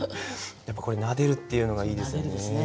やっぱこれ「撫でる」っていうのがいいですよね。